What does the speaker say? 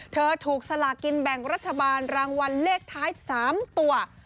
เธอถูกสลากินแบ่งรัฐบาลรางวัลเลขท้าย๓ตัว